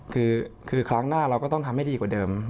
คือครั้งหน้าเราก็ต้องทำให้ดีกว่าเดิม